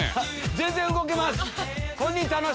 全然動けます。